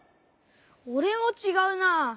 おれもちがうなあ。